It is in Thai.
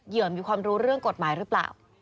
เหยื่อมีความรู้เรื่องกฎหมายหรือเปล่า